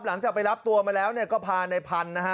หลังจากไปรับตัวมาแล้วก็พาในพันธุ์นะฮะ